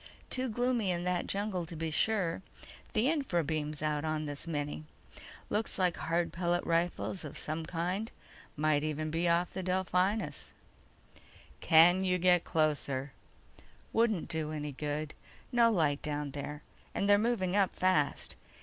"Too gloomy in that jungle to be sure. The infra beam's out on this mini. Looks like hard pellet rifles of some kind. Might even be off the Delphinus." "Can't you get closer?" "Wouldn't do any good. No light down there, and they're moving up fast."